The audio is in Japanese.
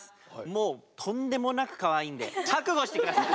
もうとんでもなくかわいいんで覚悟して下さい。